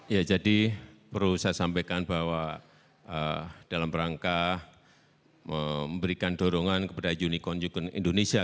ya jadi perlu saya sampaikan bahwa dalam rangka memberikan dorongan kepada unicorn ucon indonesia